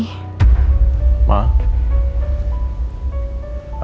gak banyak masalah berat kayak begini